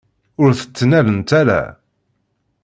Ur t-ttnalent ara.